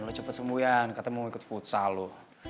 yan lo cepet sembuh yan katanya mau ikut futsal lo